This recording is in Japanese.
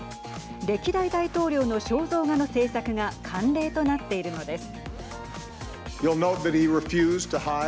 歴代大統領の肖像画の制作が慣例となっているのです。